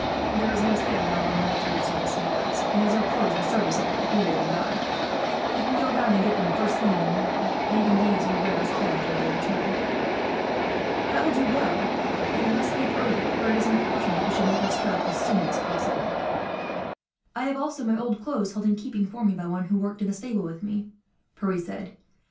There is no saying how long military service may last and, as our clothes were serviceable, we laid them by. We can go round and get them, the first thing in the morning; leaving these we wear in his care, until we return." "That will do well; but you must be up early, for it is important we should make our start as soon as possible." "I also have my old clothes held in keeping for me, by one who worked in the stable with me," Pierre said.